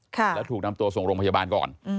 แล้วถูกนำตัวส่งโรงพยาบาลก่อน